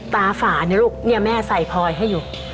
ตาฝานี่ลูกแม่ใส่พอยให้อยู่